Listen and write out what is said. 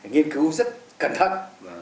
nghiên cứu rất cẩn thận